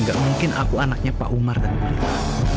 enggak mungkin aku anaknya pak umar dan bulila